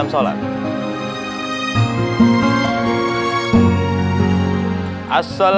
kesempurnaan dalam sholat